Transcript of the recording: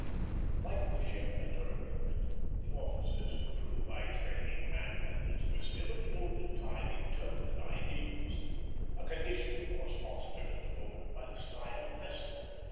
Like the ship and her equipment, the officers and crew by training and methods were still of the olden time in tone and ideals; a condition, of course, fostered at the moment by the style of vessel.